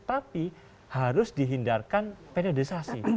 tapi harus dihindarkan periodisasi